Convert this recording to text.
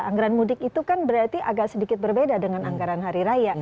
anggaran mudik itu kan berarti agak sedikit berbeda dengan anggaran hari raya